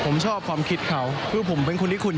กุ๊บกิ๊บขอสงวนท่าที่ให้เวลาเป็นเครื่องที่สุดไปก่อน